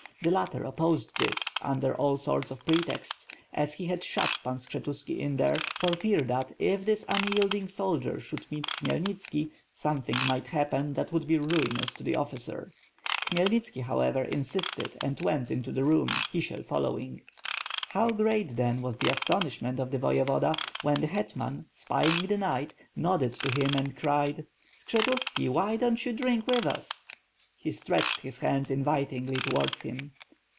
The latter opposed this, under all sorts of pretexts; as he had shut Pan Skshetuski in there, for fear that, if this unyielding soldier should meet Khmyelnitski, something might happen WITH FIRE AND SWORD. 613 that would be ruinous to the officer. Khmyelnitski, however, insisted, and went into the room, Kisiel following. How great, then, was the astonishment of the Voyevoda, when the hetman, spying the knight, nodded to him and cried: "Skshetuski, why don't you drink with us?" He stretched his hands invitingly towards him.